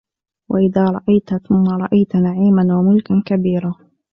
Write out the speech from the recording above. وَإِذَا رَأَيْتَ ثَمَّ رَأَيْتَ نَعِيمًا وَمُلْكًا كَبِيرًا